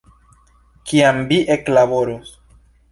Kiam vi eklaboros?